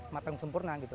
matang sempurna gitu